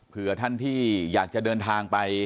เพื่อท่านที่อยากจะเดินทางไป